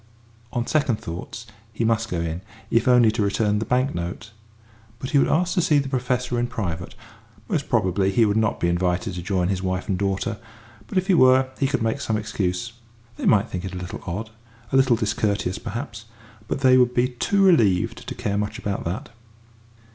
On second thoughts he must go in if only to return the bank note. But he would ask to see the Professor in private. Most probably he would not be invited to join his wife and daughter, but if he were, he could make some excuse. They might think it a little odd a little discourteous, perhaps; but they would be too relieved to care much about that.